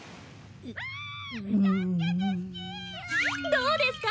どうですか？